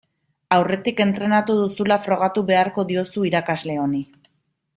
Aurretik entrenatu duzula frogatu beharko diozu irakasle honi.